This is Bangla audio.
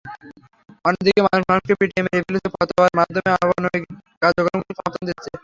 অন্যদিকে মানুষ মানুষকে পিটিয়ে মেরে ফেলছে, ফতোয়ার মাধ্যমে অমানবিক কার্যক্রমকে সমর্থন দিচ্ছে।